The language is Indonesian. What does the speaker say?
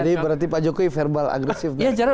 jadi berarti pak jokowi verbal aggressiveness